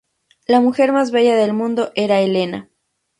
La mujer más bella del mundo era Helena.